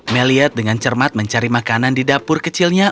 meliod ini mencari seseorang untuk menawarkan makan untuk dari celana belakang